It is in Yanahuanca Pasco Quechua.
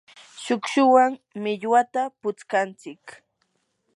shukshuwan millwata putskantsik.